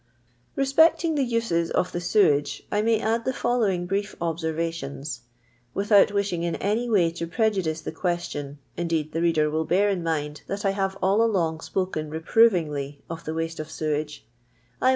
Respecting the uses of the settage, I may add the following brief observations. Without wishing in any way to prejudice the question (indeed the reader will bear in mind that I have all along spoken reprovingly of the waste of sewage), I am 410 LOXDOy LABOUR AXD THE LOXDON POOR.